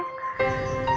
aku kangen lo